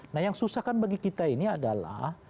nah yang susahkan bagi kita ini adalah